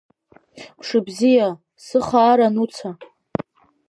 Мшыбзиа, сыхаара Нуца!